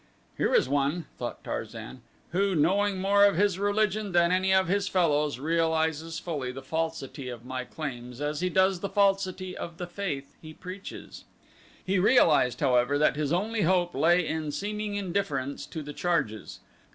"Here is one," thought Tarzan, "who, knowing more of his religion than any of his fellows, realizes fully the falsity of my claims as he does the falsity of the faith he preaches." He realized, however, that his only hope lay in seeming indifference to the charges.